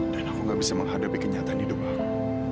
dan aku gak bisa menghadapi kenyataan hidup aku